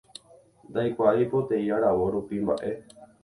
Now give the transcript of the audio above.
Ndaikuaái, poteĩ aravo rupi mba'e.